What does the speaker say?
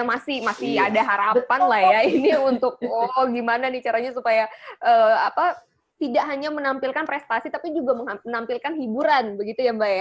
masih ada harapan lah ya ini untuk gimana nih caranya supaya tidak hanya menampilkan prestasi tapi juga menampilkan hiburan begitu ya mbak ya